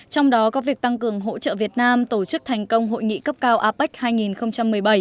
trong đó có việc tăng cường hỗ trợ việt nam tổ chức thành công hội nghị cấp cao apec hai nghìn một mươi bảy